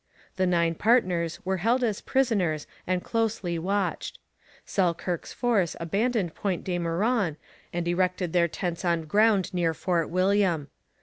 The nine partners were held as prisoners and closely watched. Selkirk's force abandoned Point De Meuron and erected their tents on ground near Fort William.